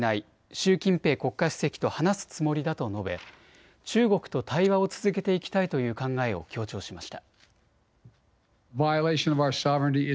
習近平国家主席と話すつもりだと述べ中国と対話を続けていきたいという考えを強調しました。